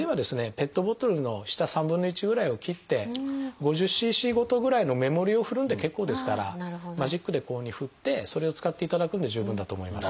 ペットボトルの下３分の１ぐらいを切って５０ｃｃごとぐらいの目盛りを振るので結構ですからマジックでこういうふうに振ってそれを使っていただくので十分だと思います。